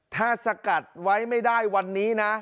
ถ้าสกัดไว้ไม่ได้วันนี้นะ